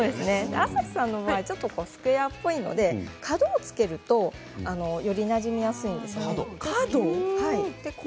朝日さんはスクエアなので角をつけるとよりなじみやすいんですね。